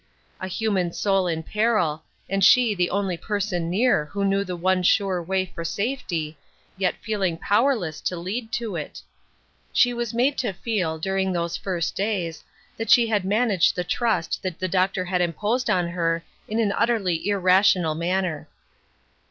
A human soul in peril, and she the only person near who knew the one sure way for safety, yet feeling powerless to lead to it. She was made to feel, during those first days, that she had managed the trust that the doctor had imposed on her in an utterly irrational manner.